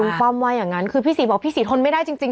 คุณป้อมว่าอย่างนั้นคือพี่ศรีบอกพี่ศรีทนไม่ได้จริง